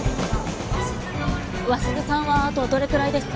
鷲津さんはあとどれくらいですか？